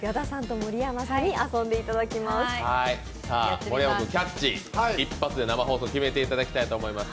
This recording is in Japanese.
盛山君、キャッチ一発で生放送決めていただきたいと思います。